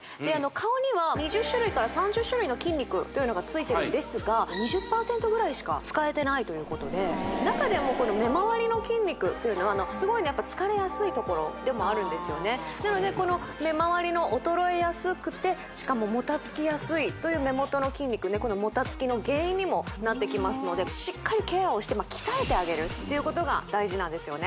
顔には２０種類から３０種類の筋肉というのがついてるんですが２０％ぐらいしか使えてないということで中でもこの目まわりの筋肉というのはすごいねやっぱ疲れやすい所でもあるんですよねなのでこの目まわりの衰えやすくてしかももたつきやすいという目元の筋肉ねこのもたつきの原因にもなってきますのでしっかりケアをして鍛えてあげるということが大事なんですよね